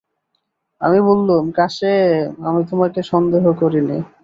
আমি বললুম, কাসেম, আমি তোমাকে সন্দেহ করি নে।